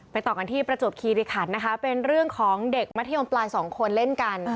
ต่อกันที่ประจวบคีริขันนะคะเป็นเรื่องของเด็กมัธยมปลายสองคนเล่นกัน